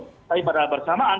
tapi pada bersamaan